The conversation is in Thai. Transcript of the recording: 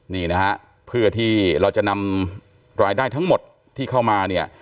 นี่นะฮะเพื่อที่เราจะนำรายได้ทั้งหมดที่เข้ามาเนี่ย